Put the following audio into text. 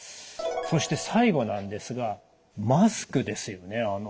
そして最後なんですがマスクですよね。